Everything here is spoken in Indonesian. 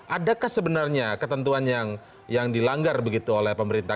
adakah sebenarnya ketentuan yang dilanggar begitu oleh pemerintah